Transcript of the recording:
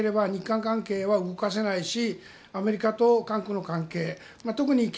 そうでなければ日韓関係は動かせないしアメリカと韓国の関係特に